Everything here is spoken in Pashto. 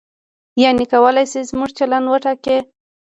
یعنې کولای شي زموږ چلند وټاکي.